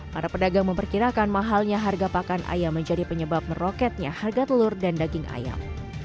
para pedagang memperkirakan mahalnya harga pakan ayam menjadi penyebab meroketnya harga telur dan daging ayam